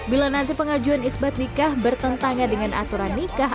bila nanti pengajuan isbat nikah bertentangan dengan aturan nikah